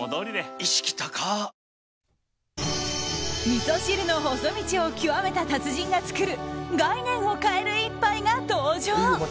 みそ汁の細道を極めた達人が作る概念を変える１杯が登場！